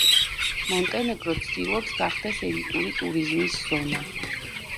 მონტენეგრო ცდილობს გახდეს ელიტური ტურიზმის ზონა.